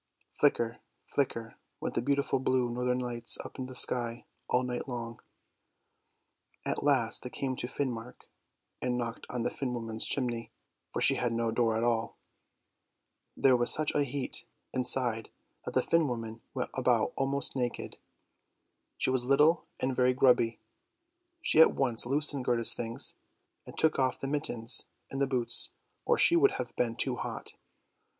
Flicker, flicker, went the beautiful blue northern lights up in the sky all night long; — at last they came to Finmark, and knocked on the Finn woman's chimney, for she had no door at all. o 210 ANDERSEN'S FAIRY TALES There was such a heat inside that the Finn woman went about almost naked; she was little and very grubby. She at once loosened Gerda's things, and took off the mittens and the boots, or she would have been too hot.